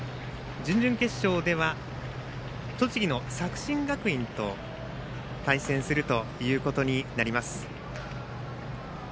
準々決勝では栃木の作新学院と対戦するということになります。